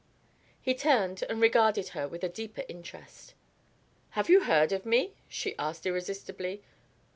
He turned and regarded her with a deeper interest. "Have you heard of me?" she asked irresistibly.